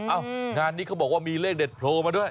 งานนี้เขาบอกว่ามีเลขเด็ดโผล่มาด้วย